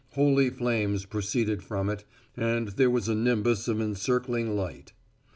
Holy flames proceeded from it, and there was a nimbus of encircling light.